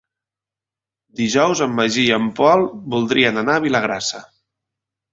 Dijous en Magí i en Pol voldrien anar a Vilagrassa.